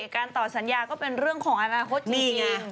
การต่อสัญญาก็เป็นเรื่องของอนาคตดีไง